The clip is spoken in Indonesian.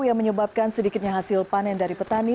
yang menyebabkan sedikitnya hasil panen dari petani